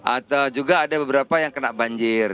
atau juga ada beberapa yang kena banjir